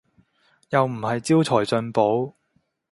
又唔係招財進寶